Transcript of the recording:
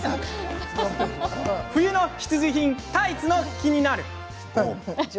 冬の必需品、タイツのキニナル。